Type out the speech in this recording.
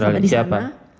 di australia siapa